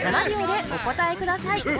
７秒でお答えください